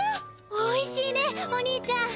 おいしいねお兄ちゃん。